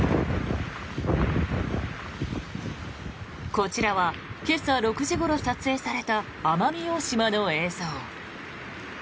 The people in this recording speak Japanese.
こちらは今朝６時ごろ撮影された奄美大島の映像。